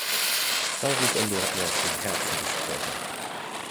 Frau Redondo hat mir aus dem Herzen gesprochen.